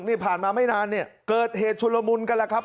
นี่ผ่านมาไม่นานเนี่ยเกิดเหตุชุลมุนกันแล้วครับ